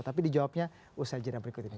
tapi dijawabnya usaha jenayah berikut ini